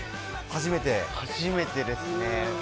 初めてですね。